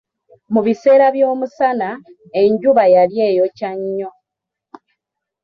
Mu biseera by'omusana, enjuba yali eyokya nnyo.